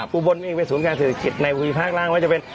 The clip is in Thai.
ฮะอุบลไม่มีสูงการเศรษฐกิจในภาครั่งจะเป็น